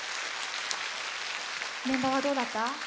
メンバーはどうだった？